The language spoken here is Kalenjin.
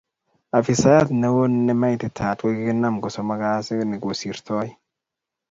Afisayat neo nemaititaat kokikinam ko somok kasiit ne kosirtoi.